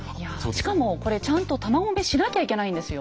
しかもこれちゃんと弾込めしなきゃいけないんですよ？